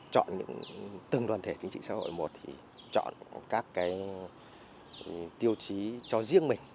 chọn những từng đoàn thể chính trị xã hội một thì chọn các cái tiêu chí cho riêng mình